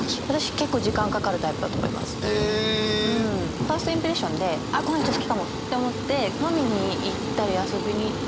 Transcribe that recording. ファーストインプレッションであっこの人好きかも！って思って飲みに行ったり遊びに行ったり。